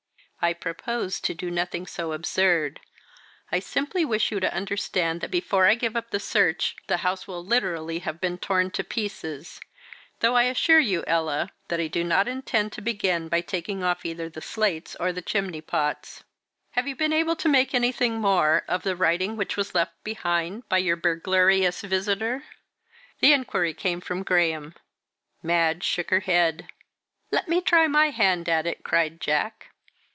"I propose to do nothing so absurd. I simply wish you to understand that before I give up the search the house will literally have been torn to pieces though I assure you, Ella, that I do not intend to begin by taking off either the slates or the chimney pots." "Have you been able to make anything more of the writing which was left behind by your burglarious visitor?" The inquiry came from Graham. Madge shook her head. "Let me try my hand at it," cried Jack.